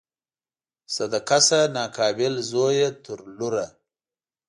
صدقه شه ناقابل زویه تر لوره